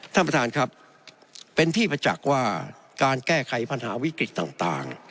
ท่านประธานครับเป็นที่ประจักษ์ว่าการแก้ไขปัญหาวิกฤตต่าง